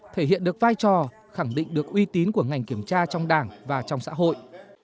thể hiện được vai trò khẳng định được uy tín của ngành kiểm tra trong đảng và trong xã hội